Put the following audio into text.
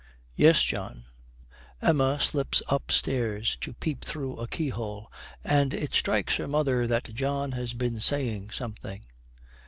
'Yes, John.' Emma slips upstairs to peep through a keyhole, and it strikes her mother that John has been saying something.